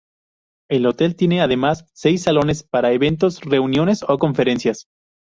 El hotel tiene además seis salones para eventos, reuniones o conferencias.